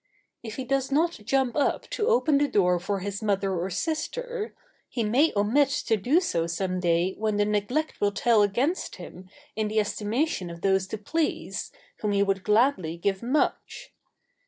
If he does not jump up to open the door for his mother or sister, he may omit to do so some day when the neglect will tell against him in the estimation of those to please whom he would gladly give much.